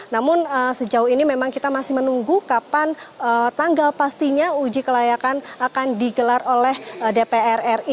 namun sejauh ini memang kita masih menunggu kapan tanggal pastinya uji kelayakan akan digelar oleh dpr ri